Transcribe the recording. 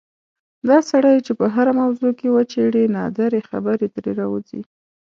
دا سړی چې په هره موضوع کې وچېړې نادرې خبرې ترې راوځي.